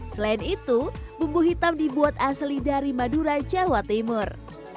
selain itu bumbu hitam dibuat asli dari madura jawa timur